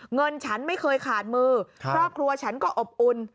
เงินฉันไม่เคยขาดมือครอบครัวฉันก็อบอุ่น